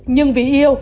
nhưng vì yêu